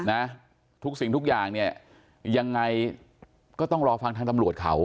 นะทุกสิ่งทุกอย่างเนี่ยยังไงก็ต้องรอฟังทางตำรวจเขา